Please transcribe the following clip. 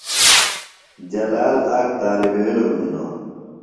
جلال آک طالبعلم ہِنوۡ۔